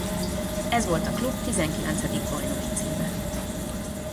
Ez volt a klub tizenkilencedik bajnoki címe.